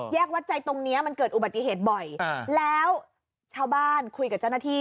วัดใจตรงเนี้ยมันเกิดอุบัติเหตุบ่อยแล้วชาวบ้านคุยกับเจ้าหน้าที่